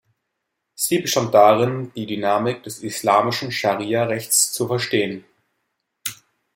Sie bestand darin, die Dynamik des islamischen Scharia-Rechts zu verstehen.